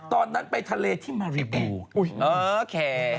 ตอนนั้นไปทะเลที่มาริบูโอค่ะโอเค